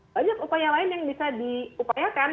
banyak upaya lain yang bisa diupayakan